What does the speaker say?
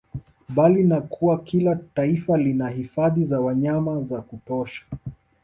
Bali ni kwa kila taifa lina hifadhi za wanyama za kutosha